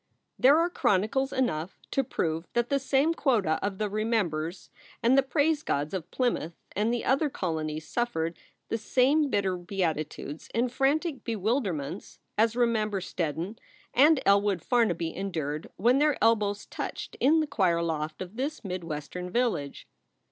There are chronicles enough to prove that the same quota of the Remembers and the Praisegods of Plymouth and the other colonies suffered the same bitter beatitudes and frantic bewilderments as Remember Steddon and Elwood Farnaby endured when their elbows touched in the choir loft of this mid Western village.